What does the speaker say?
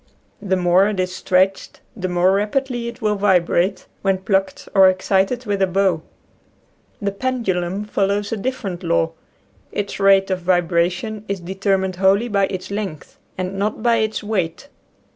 The more it is stretched the more rapidly it will vibrate, when plucked or excited with a bow. The pendulum follows a different law. Its rate of vibration is de termined wholly by its length and not by its weight.